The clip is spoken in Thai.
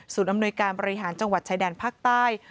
อำนวยการบริหารจังหวัดชายแดนภาคใต้